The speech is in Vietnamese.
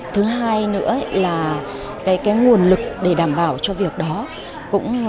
thứ hai nữa là nguồn lực để đảm bảo cho việc đó cũng rất là còn hạn chế